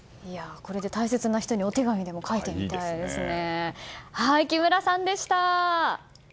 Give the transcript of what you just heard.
これで大切な人にお手紙でも書いてみたいですね。